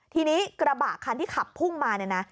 ทีนี้กระบะคันที่ขับพุ่งมาเนี่ยนะ